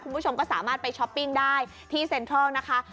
คุณผู้ชมก็สามารถไปช้อปปิ้งได้ที่เซ็นทรัลนะคะ